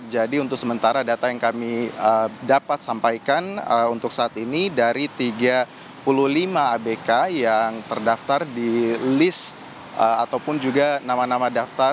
jadi untuk sementara data yang kami dapat sampaikan untuk saat ini dari tiga puluh lima abk yang terdaftar di list ataupun juga nama nama daftar